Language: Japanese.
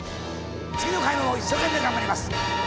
次の回も一生懸命頑張ります。